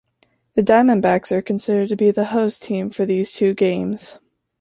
The Diamondbacks are considered to be the host team for these two games.